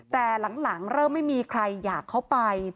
แต่หลังเริ่มไม่มีใครอยากเข้าไป